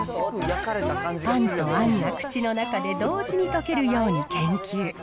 パンとあんが口の中で同時に溶けるように研究。